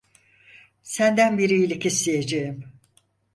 Senden bir iyilik isteyeceğim.